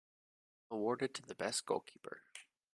Awarded to the best goalkeeper.